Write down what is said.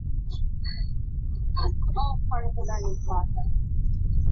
光带烛光鱼为辐鳍鱼纲巨口鱼目褶胸鱼科的其中一种。